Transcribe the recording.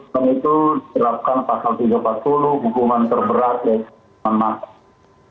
dan itu dilakukan pasal tiga ratus empat puluh hukuman terberat dari sambu